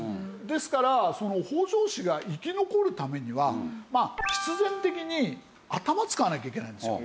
ですから北条氏が生き残るためには必然的に頭使わなきゃいけないんですよ。